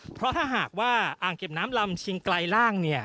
เพราะถ้าหากว่าอ่างเก็บน้ำลำเชียงไกลล่างเนี่ย